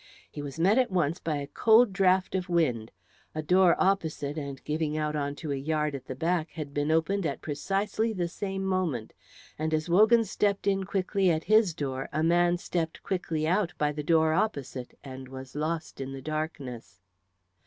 He was met at once by a cold draught of wind. A door opposite and giving onto a yard at the back had been opened at precisely the same moment; and as Wogan stepped quickly in at his door a man stepped quickly out by the door opposite and was lost in the darkness.